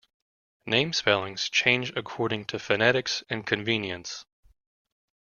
Name spellings change according to phonetics and convenience.